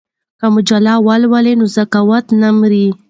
که مجله ولولو نو ذوق نه مري.